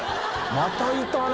またいたね。